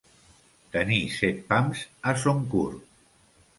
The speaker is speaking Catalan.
Tenir set pams a Son Curt.